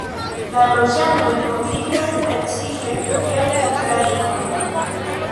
La loĝantoj konsistas precipe el ukrainoj.